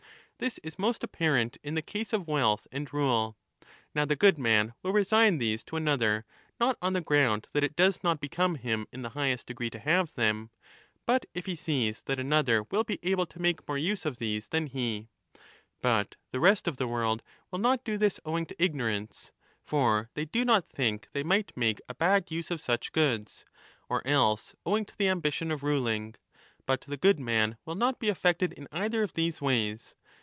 This is most apparent in the case of wealth and rule. Now the good man will resign these to another, not on the ground that it does not become him in the highest degree to have them, but if he sees that another will be able to make more use of these than he ; but the rest of the world will not do this owing to ignorance I2I2 (for they do not think they might make a bad use of such goods) or else owing to the ambition of ruling. But the good man will not be affected in either of these ways.